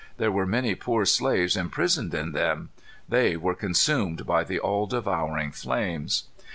There were many poor slaves imprisoned in them. They were consumed by the all devouring flames.